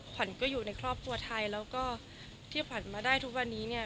ขวัญก็อยู่ในครอบครัวไทยแล้วก็ที่ขวัญมาได้ทุกวันนี้เนี่ย